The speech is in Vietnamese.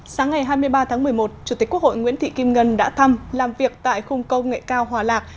sáng ngày hai mươi ba tháng một mươi một chủ tịch quốc hội nguyễn thị kim ngân đã thăm làm việc tại khung công nghệ cao hòa lạc